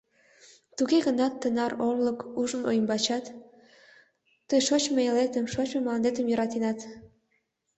Туге гынат, тынар орлык ужмо умбачат, тый шочмо элетым, шочмо мландетым йӧратенат.